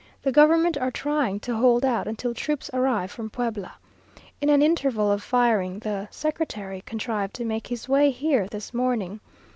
The government are trying to hold out until troops arrive from Puebla. In an interval of firing, the Secretary contrived to make his way here this morning.